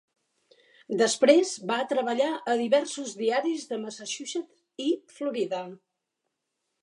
Després va treballar a diversos diaris de Massachusetts i Florida.